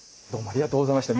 ありがとうございます。